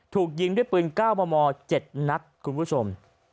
ถูกยิงด้วยปืน๙มม๗นัดคุณผู้ชม